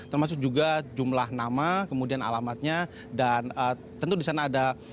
termasuk juga jumlah nama kemudian alamatnya dan tentu di sana ada